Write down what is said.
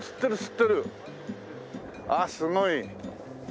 あっすごい。